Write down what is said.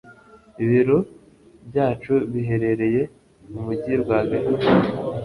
Ibiro byacu biherereye mu mujyi rwagati.